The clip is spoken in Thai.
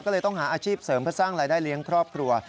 ก็เลยต้องหาอาชีพเสริมเพื่อสร้างรายได้เลี้ยงครอบครัว